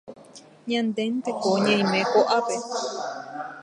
Ñandénteko ñaime ko'ápe